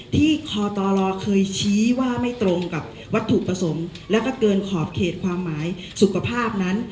ที่คอตรอเคยชี้ว่าไม่ตรงกับวัตถุผสมและเกินขอบเขตความหมายสุขภาพนั้น